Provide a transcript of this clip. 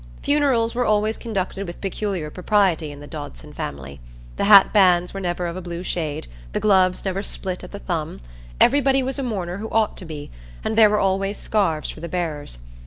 Funerals were always conducted with peculiar propriety in the Dodson family: the hat bands were never of a blue shade, the gloves never split at the thumb, everybody was a mourner who ought to be, and there were always scarfs for the bearers.